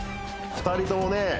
２人ともね